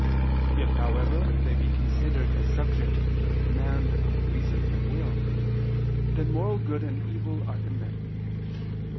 If, however, they be considered as subject to the command of the reason and will, then moral good and evil are in them.